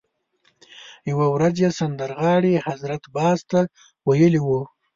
یوه ورځ یې سندرغاړي حضرت باز ته ویلي وو.